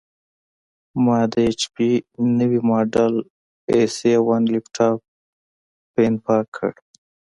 ما د ایچ پي نوي ماډل ائ سیون لېپټاپ فین پاک کړ.